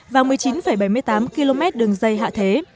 và một mươi chín bảy mươi tám km đường dây hạ thế